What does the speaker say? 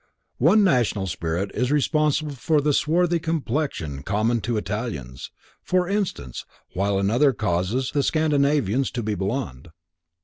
One national spirit is responsible for the swarthy complexion common to Italians, for instance, while another causes the Scandinavians to be blond.